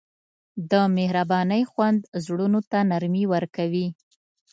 د مهربانۍ خوند زړونو ته نرمي ورکوي.